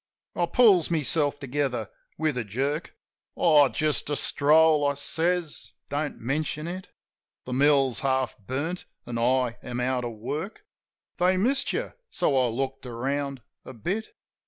I pulls meself together with a jerk. "Oh, just a stroll," I says. "Don't mention it. The mill's half burnt, an' I am out of work; They missed you, so I looked around a bit."